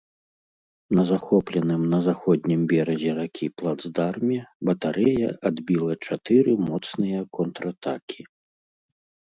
На захопленым на заходнім беразе ракі плацдарме батарэя адбіла чатыры моцныя контратакі.